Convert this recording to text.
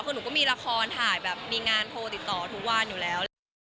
คือหนูก็มีละครถ่ายแบบมีงานโทรติดต่อทุกวันอยู่แล้ว